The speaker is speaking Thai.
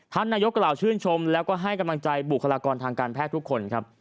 ท่านนายกกล่าวชื่นชมแล้วก็ให้กำลังใจบุคลากรทางการแพทย์ทุกคนครับ